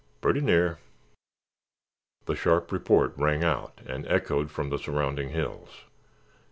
"Purty near." The sharp report rang out and echoed from the surrounding hills.